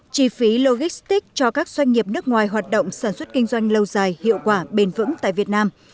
chi phí logistic cho các doanh nghiệp nước ngoài hoạt động sản xuất kinh doanh lâu dài hiệu quả bền vững tại việt nam